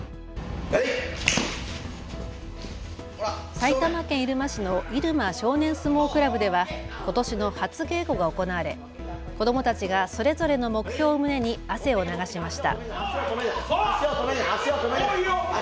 埼玉県入間市の入間少年相撲クラブではことしの初稽古が行われ、子どもたちがそれぞれの目標を胸に汗を流しました。